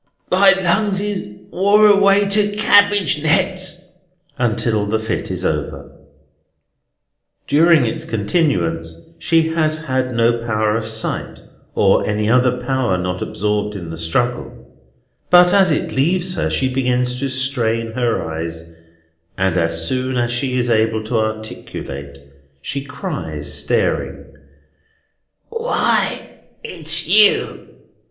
my lungs is wore away to cabbage nets!" until the fit is over. During its continuance she has had no power of sight, or any other power not absorbed in the struggle; but as it leaves her, she begins to strain her eyes, and as soon as she is able to articulate, she cries, staring: "Why, it's you!"